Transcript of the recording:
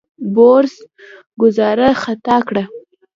بوریس ګوزاره خطا کړه.